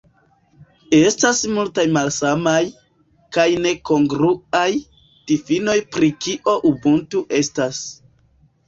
Estas multaj malsamaj, kaj ne kongruaj, difinoj pri kio "ubuntu" estas.